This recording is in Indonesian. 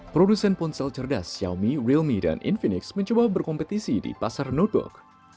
produsen ponsel cerdas xiaomi wilmi dan infinix mencoba berkompetisi di pasar nutuk